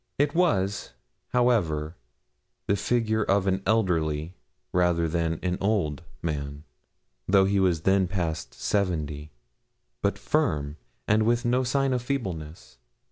It was, however, the figure of an elderly rather than an old man though he was then past seventy but firm, and with no sign of feebleness.